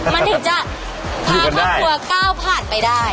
มันถึงจะทาราภัยกว่าก้าวผ่านไปได้